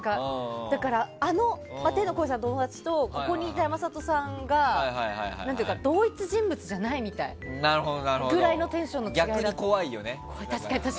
だから、あの天の声さんとここにいた山里さんが同一人物じゃないみたいぐらいのテンションの違いだった。